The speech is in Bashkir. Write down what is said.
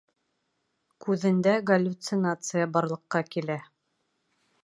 — Күҙендә галлюцинация барлыҡҡа килә.